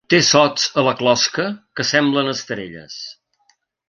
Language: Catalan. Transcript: Té sots a la closca que semblen estrelles.